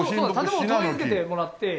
建物を通り抜けてもらって。